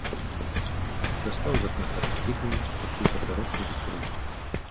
Дастаў з акна пачак тытуню, скруціў папяросу і закурыў.